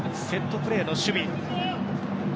セットプレーの守備。